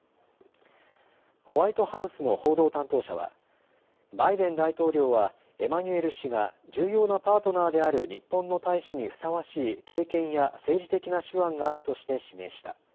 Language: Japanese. ホワイトハウスの報道担当者はバイデン大統領はエマニュエル氏が重要なパートナーである日本の大使にふさわしい経験や政治的な手腕があるとして指名した。